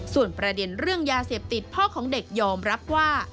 ส่วนประเด็นเรื่องยาเสพติดพ่อของเด็กยอมรับว่า